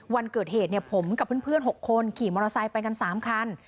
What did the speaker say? วันเกิดเหตุผมกับเพื่อน๖คนขี่มอเตอร์ไซค์ไปกัน๓คัน